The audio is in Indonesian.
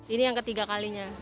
ini yang ketiga kalinya